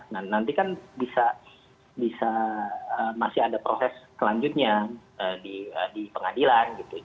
nah nanti kan bisa masih ada proses selanjutnya di pengadilan gitu